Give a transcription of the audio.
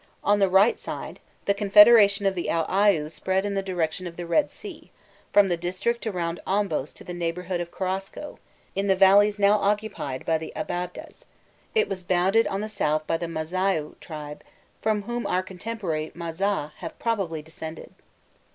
On the right side, the confederation of the Uaûaiu spread in the direction of the Bed Sea, from the district around Ombos to the neighbourhood of Korosko, in the valleys now occupied by the Ababdehs: it was bounded on the south by the Mâzaiû tribes, from whom our contemporary Mâazeh have probably descended.